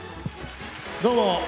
どうも。